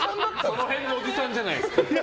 その辺のおじさんじゃないですか。